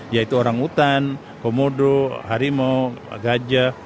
yaitu orangutan komodo harimau gajah